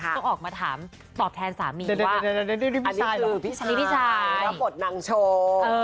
รับบทนางโชว์ในละคร